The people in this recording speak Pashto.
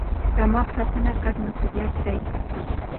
دماغ ساتنه ګډ مسئولیت دی.